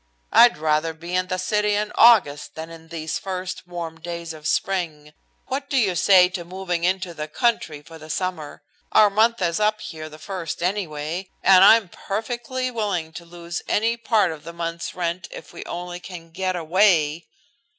"I'd rather be in the city in August than in these first warm days of spring. What do you say to moving into the country for the summer? Our month is up here the first, anyway, and I am perfectly willing to lose any part of the month's rent if we only can get away."